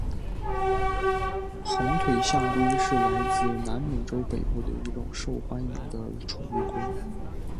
红腿象龟是来自南美洲北部的一种受欢迎的宠物龟。